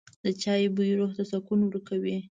د چای بوی روح ته سکون ورکوي.